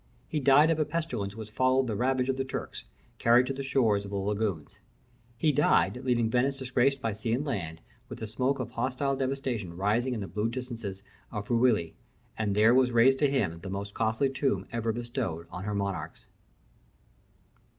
He died of a pestilence which followed the ravage of the Turks, carried to the shores of the lagoons. He died, leaving Venice disgraced by sea and land, with the smoke of hostile devastation rising in the blue distances of Friuli; and there was raised to him the most costly tomb ever bestowed on her monarchs.